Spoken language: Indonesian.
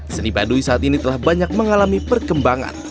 seni baduy saat ini telah banyak mengalami perkembangan